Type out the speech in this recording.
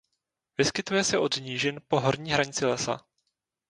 Vyskytuje se od nížin po horní hranici lesa.